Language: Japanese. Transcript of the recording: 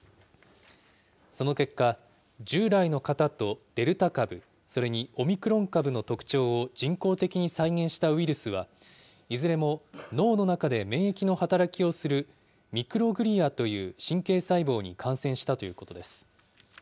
その結果、従来の型とデルタ株、それにオミクロン株の特徴を人工的に再現したウイルスは、いずれも脳の中で免疫の働きをするミクログリアという神経細胞に感染したということです。